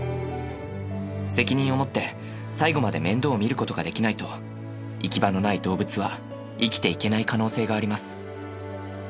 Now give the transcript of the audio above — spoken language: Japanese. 責任を持って最後まで面倒を見ることができないと行き場のない動物は生きていけない可能性があります。